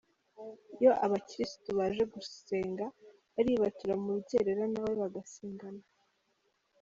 Iyo abakirisitu baje gusenga aribatura mu rucyerera na we bagasengana.